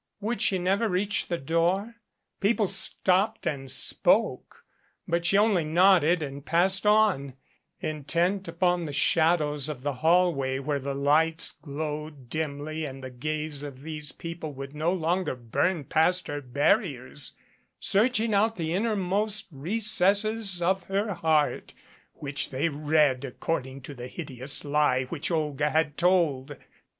Would she never reach the door? People stopped and spoke but she only nodded and passed on, intent upon the shadows of the hallway, where the lights glowed dimly and the gaze of these people would no longer burn past her bar riers, searching out the innermost recesses of her heart, which they read according to the hideous lie which Olga had told.